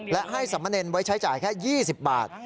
และให้สมเนรไว้ใช้จ่ายแค่๒๐บาท